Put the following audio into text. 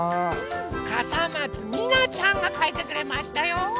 かさまつみなちゃんがかいてくれましたよ。